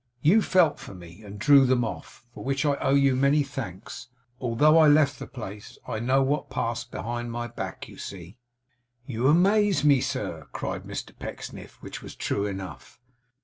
You felt for me, and drew them off, for which I owe you many thanks. Although I left the place, I know what passed behind my back, you see!' 'You amaze me, sir!' cried Mr Pecksniff; which was true enough.